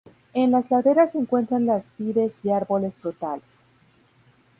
En las laderas se encuentran las vides y árboles frutales.